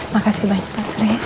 makasih banyak pak surya